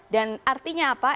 dan artinya apa